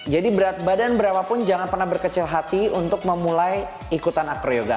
jadi berat badan berapapun jangan pernah berkecil hati untuk memulai ikutan acroyoga